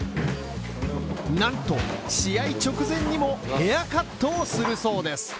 なんと、試合直前にも、ヘアカットをするそうです。